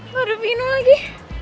gak ada vino lagi